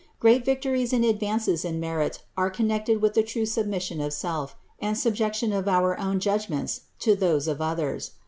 Great victories and advances in merit are connected with the true submission of self and subjection of our own judgments to those of others.